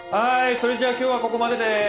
それじゃあ今日はここまでです。